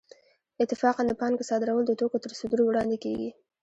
اتفاقاً د پانګې صادرول د توکو تر صدور وړاندې کېږي